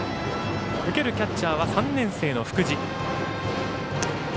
受けるキャッチャーは３年生の福地。